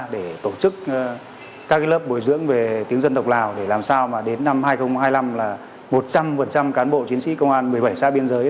để tổ chức các lớp bồi dưỡng về tiếng dân tộc lào để làm sao mà đến năm hai nghìn hai mươi năm là một trăm linh cán bộ chiến sĩ công an một mươi bảy xã biên giới